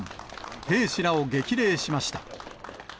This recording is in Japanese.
兵士らを激励しました。